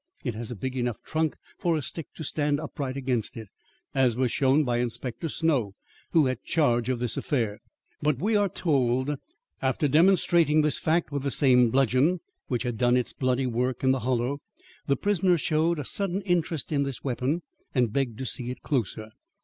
It has a big enough trunk for a stick to stand upright against it, as was shown by Inspector Snow who had charge of this affair. But we are told that after demonstrating this fact with the same bludgeon which had done its bloody work in the Hollow, the prisoner showed a sudden interest in this weapon and begged to see it closer.